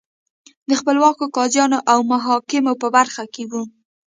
د خپلواکو قاضیانو او محاکمو په برخه کې وو